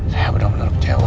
saya benar benar kecewa